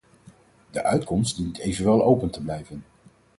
De uitkomst dient evenwel open te blijven.